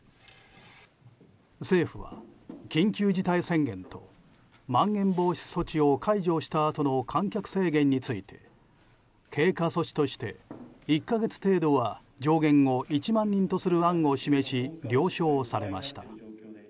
政府は緊急事態宣言とまん延防止措置を解除したあとの観客制限について経過措置として１か月程度は上限を１万人とする案を示し了承されました。